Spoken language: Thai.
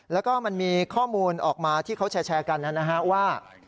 แล้วก็มันมีข้อมูลออกมาที่เขาแชร์กันนะฮะว่า